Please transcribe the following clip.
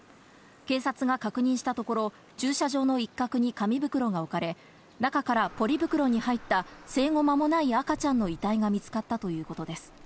警察が確認したところ駐車場の一画に紙袋が置かれ、中からポリ袋に入った生後間もない赤ちゃんの遺体が見つかったということです。